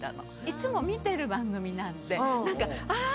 いつも見てる番組なんであ！